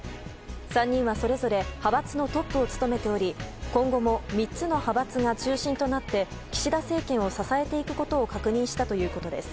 ３人はそれぞれ派閥のトップを務めており今後も３つの派閥が中心となって岸田政権を支えていくことを確認したということです。